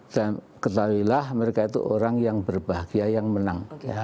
dan ketahui lah mereka itu orang yang berbahagia yang menang